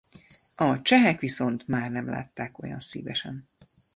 A csehek viszont már nem látták olyan szívesen.